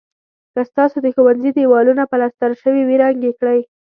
که ستاسو د ښوونځي دېوالونه پلستر شوي وي رنګ یې کړئ.